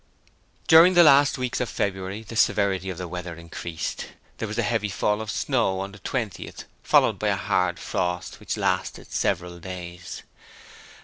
During the last weeks of February the severity of the weather increased. There was a heavy fall of snow on the 20th followed by a hard frost which lasted several days.